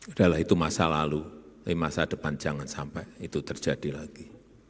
udahlah itu masa lalu eh masa depan jangan sampai itu terjadi lagi